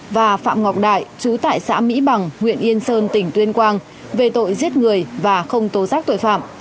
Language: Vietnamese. và phạm ngọc đại chú tại xã mỹ bằng huyện yên sơn tỉnh tuyên quang về tội giết người và không tố giác tội phạm